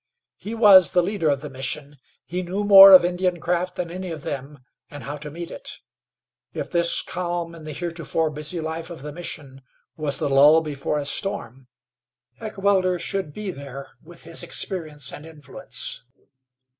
He was the leader of the Mission; he knew more of Indian craft than any of them, and how to meet it. If this calm in the heretofore busy life of the Mission was the lull before a storm, Heckewelder should be there with his experience and influence.